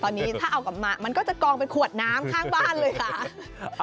ตอนนี้ถ้าเอากลับมามันก็จะกองเป็นขวดน้ำข้างบ้านเลยค่ะ